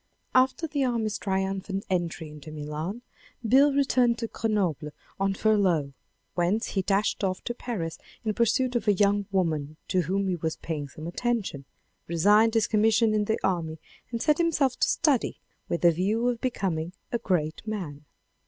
After the army's triumphant entry into Milan, Beyle returned to Grenoble on furlough, whence he dashed off to Paris in pursuit of a young woman to whom he was paying some attention, resigned his commission in the army and set himself to study " with the view of becoming a great man."